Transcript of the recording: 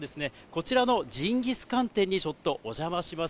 こちらのジンギスカン店にちょっとお邪魔します。